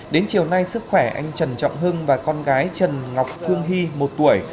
đến chiều nay sức khỏe anh trần trọng hưng và con gái trần ngọc phương hy một tuổi